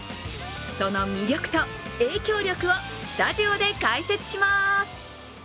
その魅力と影響力をスタジオで解説します。